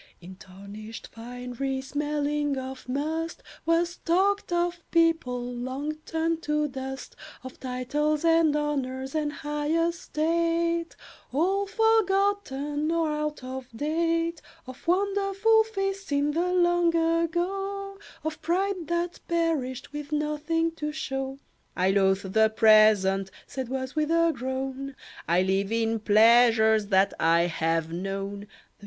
In tarnished finery smelling of must, Was talked of people long turned to dust; Of titles and honours and high estate, All forgotten or out of date; Of wonderful feasts in the long ago, Of pride that perished with nothing to show. "I loathe the present," said Was, with a groan; "I live in pleasures that I have known."